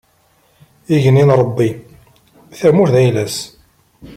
Igenni n Ṛebbi, tamurt d ayla-s.